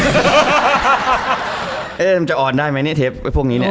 เอ๊ะมันจะอ่อนได้ไหมเนี่ยเทปพวกนี้เนี่ย